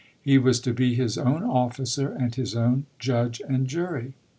He was to be his own officer, and his own judge and jury.